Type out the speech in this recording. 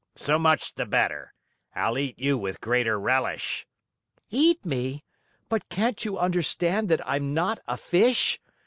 So much the better. I'll eat you with greater relish." "Eat me? But can't you understand that I'm not a fish?